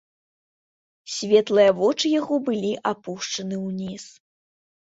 Светлыя вочы яго былі апушчаны ўніз.